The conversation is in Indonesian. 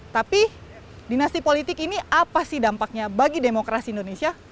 tapi dinasti politik ini apa sih dampaknya bagi demokrasi indonesia